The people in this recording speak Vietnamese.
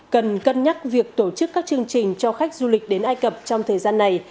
cần cân nhắc việc tổ chức các chương trình cho khách du lịch đến ai cập trong thời gian này